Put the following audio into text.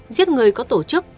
giết người có tổ chức